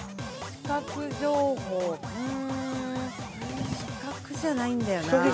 ◆視覚情報視覚じゃないんだよな。